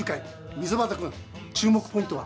溝端君、注目ポイントは？